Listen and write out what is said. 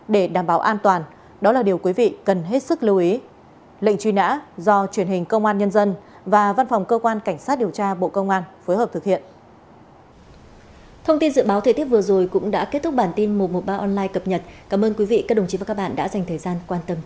do truyền hình công an nhân dân và văn phòng cơ quan cảnh sát điều tra bộ công an phối hợp thực hiện